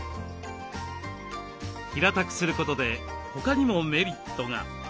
平たくすることで他にもメリットが。